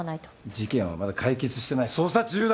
事件はまだ解決してない捜査中だ！